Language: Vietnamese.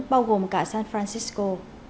bao gồm cả san francisco